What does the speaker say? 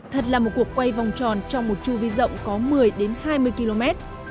thật là một cuộc quay vòng tròn trong một chu vi rộng có một mươi hai mươi km